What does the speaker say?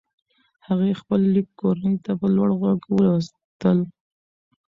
هغې خپل لیکل کورنۍ ته په لوړ غږ لوستل.